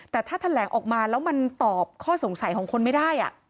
แต่ถ้าแถลงออกมาแล้วมันตอบข้อสงสัยของคนไม่ได้